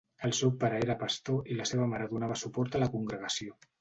El seu pare era pastor i la seva mare donava suport a la congregació.